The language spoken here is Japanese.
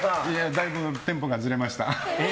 だいぶテンポがずれました。